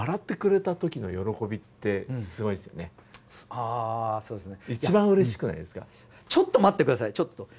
あそうですね。